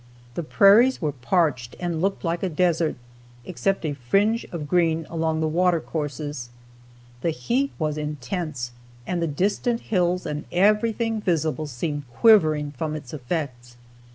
The prairies were parched and looked like a desert, except a fringe of green along the water courses. The heat was intense and the distant hills and everything visible seemed quivering from its effects.